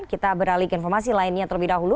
kita beralih ke informasi lainnya terlebih dahulu